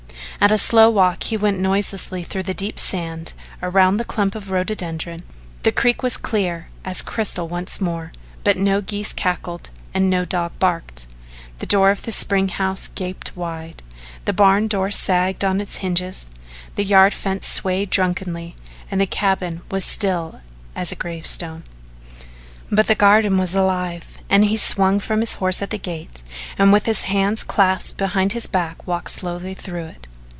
At a slow walk he went noiselessly through the deep sand around the clump of rhododendron. The creek was clear as crystal once more, but no geese cackled and no dog barked. The door of the spring house gaped wide, the barn door sagged on its hinges, the yard fence swayed drunkenly, and the cabin was still as a gravestone. But the garden was alive, and he swung from his horse at the gate, and with his hands clasped behind his back walked slowly through it.